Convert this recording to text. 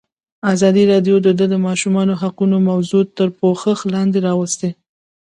ازادي راډیو د د ماشومانو حقونه موضوع تر پوښښ لاندې راوستې.